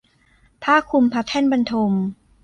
ผ้าคลุมพระแท่นบรรทม